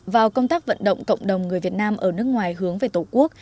vào công tác vận động cộng đồng người việt nam ở nước ngoài hướng về tổ quốc